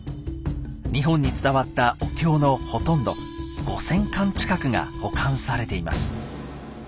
日本に伝わったお経のほとんど５，０００巻近くが保管されています。